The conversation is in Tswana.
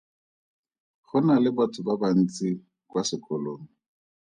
Go na le batho ba bantsi kwa sekolong.